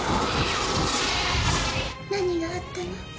何があったの？